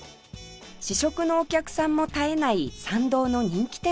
試食のお客さんも絶えない参道の人気店です